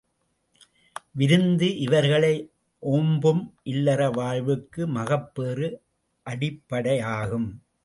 விருந்து இவர்களை ஒம்பும் இல்லற வாழ்வுக்கு மகப்பேறு அடிப் படையாகும்.